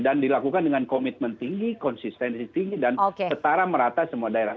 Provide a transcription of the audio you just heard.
dan dilakukan dengan komitmen tinggi konsistensi tinggi dan setara merata semua daerah